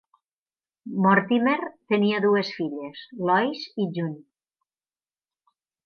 Mortimer tenia dues filles, Lois i June.